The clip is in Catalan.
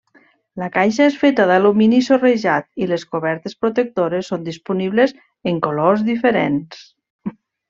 La caixa és feta d'alumini sorrejat, i les cobertes protectores són disponibles en colors diferents.